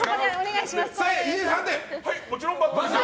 もちろんバッドですよ。